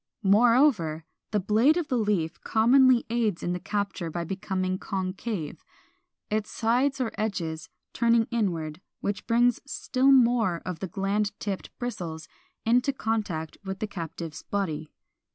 Moreover, the blade of the leaf commonly aids in the capture by becoming concave, its sides or edges turning inward, which brings still more of the gland tipped bristles into contact with the captive's body.